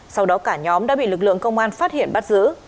sau đó cả nhóm đã bị lực lượng công an phát hiện bắt giữ